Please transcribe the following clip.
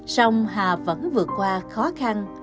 xong hà vẫn vượt qua khó khăn